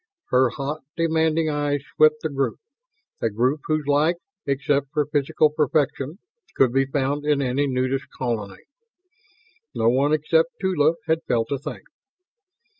Her hot, demanding eyes swept the group; a group whose like, except for physical perfection, could be found in any nudist colony. No one except Tula had felt a thing.